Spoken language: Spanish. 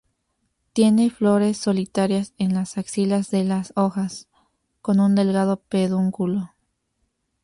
Tiene flores solitarias en las axilas de las hojas; con un delgado pedúnculo.